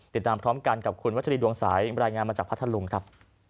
ติดตามพร้อมกันกับคุณวัชรีดวงสายรายงานมาจากพัทธลุงครับ